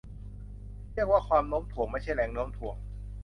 เรียกว่าความโน้มถ่วง ไม่ใช่แรงโน้มถ่วง